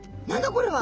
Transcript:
これは！